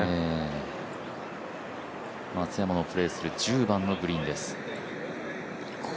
松山のプレーする１０番のグリーンです。